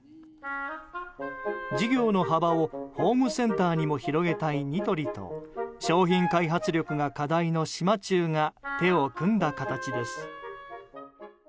事業の幅をホームセンターにも広げたいニトリと商品開発力が課題の島忠が手を組んだ形です。